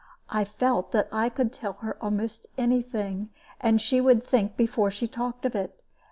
I felt that I could tell her almost any thing, and she would think before she talked of it.